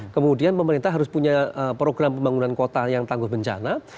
kemudian pemerintah harus punya program pembangunan kota yang tangguh bencana